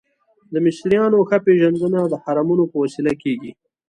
د مصریانو ښه پیژندنه د هرمونو په وسیله کیږي.